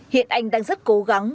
hiện anh đang rất cố gắng